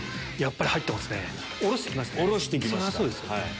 やっぱり入ってますね